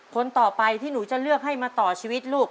คนต่อไปที่หนูจะเลือกให้มาต่อชีวิตลูก